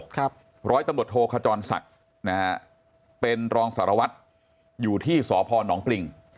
ครับร้อยตำรวจโทขจรศักดิ์มณีพงศ์นะฮะเป็นรองสารวัฒน์อยู่ที่สอพอร์หนองปริง